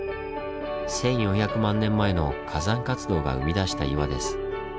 １４００万年前の火山活動が生み出した岩です。